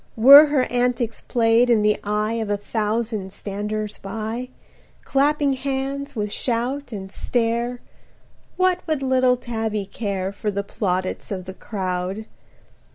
Were her antics played in the eye Of a thousand standers by, Clapping hands with shout and stare, What would little Tabby care For the plaudits of the crowd?